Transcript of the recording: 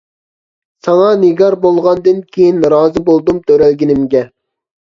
ساڭا نىگار بولغاندىن كىيىن، رازى بولدۇم تۆرەلگىنىمگە.